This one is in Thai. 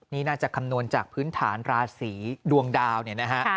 นี่น่าจะคำนวณจากพื้นฐานราศีดวงดาวเนี่ยนะฮะ